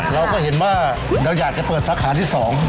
เราก็เห็นว่าเราอยากจะเปิดสาขาที่๒